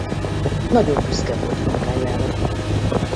Nagyon büszke volt munkájára.